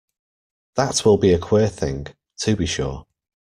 That will be a queer thing, to be sure!